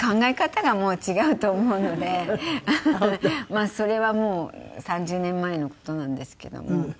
まあそれはもう３０年前の事なんですけども。